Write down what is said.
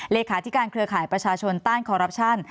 เลขาธิการเครือข่ายประชาชนต้านคอรัปชั่น